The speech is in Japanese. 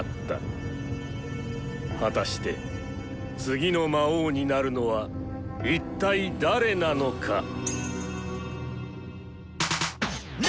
果たして次の魔王になるのは一体誰なのか。